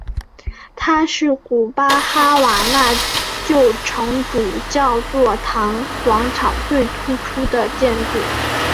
它是古巴哈瓦那旧城主教座堂广场最突出的建筑。